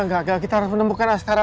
enggak kita harus menembukkan askara nak